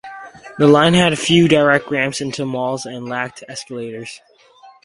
The line had few direct ramps into malls and lacked escalators.